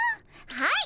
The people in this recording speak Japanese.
はい。